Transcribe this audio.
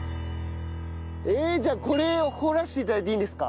じゃあこれを掘らせて頂いていいんですか？